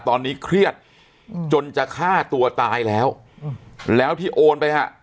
ตอนนี้เครียดจนจะฆ่าตัวตายแล้วแล้วที่โอนไปฮะ